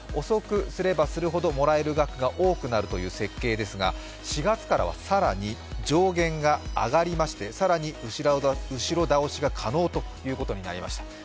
遅くすればするほどもらえる額が多くなるという設計ですが、４月からは更に上限が上がりまして更に後ろ倒しが可能だということになりました。